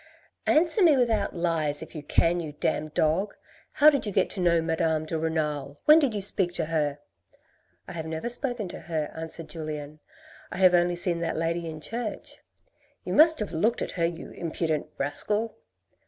" Answer me without lies, if you can, you damned dog, how did you get to know Madame de Renal ? When did you speak to her?" " I have never spoken to her," answered Julien, " I have only seen that lady in church." " You must have looked at her, you impudent rascal."